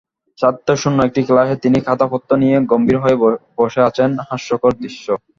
ছাত্রশূণ্য একটি ক্লাসে তিনি খাতাপত্র নিয়ে গম্ভীর হয়ে বসে আছেন-হাস্যকর দৃশ্য।